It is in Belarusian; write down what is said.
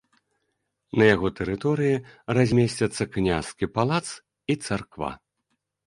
На яго тэрыторыі размесцяцца княскі палац і царква.